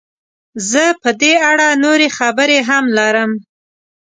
زه په دې اړه نورې خبرې هم لرم.